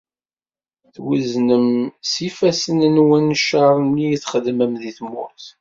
Twezznem s yifassen-nwen ccer-nni i txeddmem di tmurt.